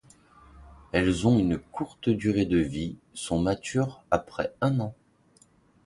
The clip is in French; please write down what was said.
Elles ont une courte durée de vie, sont matures après un an.